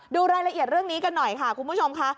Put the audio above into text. ดูรายละเอียดเรื่องนี้กันหน่อยค่ะคุณผู้ชมค่ะ